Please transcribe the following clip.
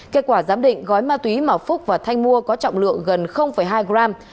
kết quả giám định gói ma túy mà phúc và thanh mua có trọng lượng gần hai gram